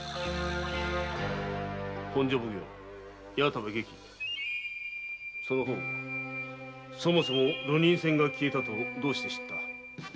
本所奉行・矢田部外記その方そもそも流人船が消えたとどうして知った？